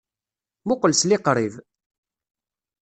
Muqqel s liqṛib!